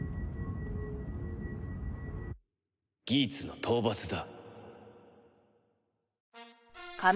ギーツの討伐だ。